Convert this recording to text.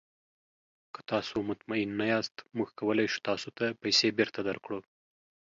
که تاسو مطمین نه یاست، موږ کولی شو تاسو ته پیسې بیرته درکړو.